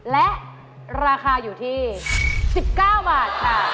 และราคาอยู่ที่๑๙บาทค่ะ